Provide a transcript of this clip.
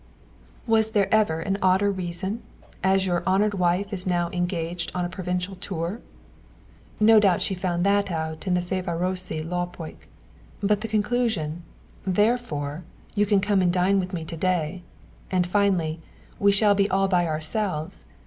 Was there ever an odder reason? "As your honoured wife is now engaged on a provincial tour"! No doubt she found that out in the Fövárosi Lapok. But the conclusion: "therefore you can come and dine with me to day"! And finally: "We shall be all by ourselves"!